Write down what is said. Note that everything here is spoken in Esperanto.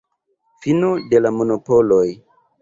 Fino de la monopoloj.